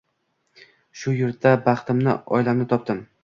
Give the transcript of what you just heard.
Shu yurtda baxtimni, oilamni topdim.